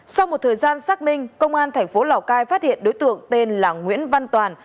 sau một thời gian xác minh công an thành phố lào cai phát hiện đối tượng tên là nguyễn văn toàn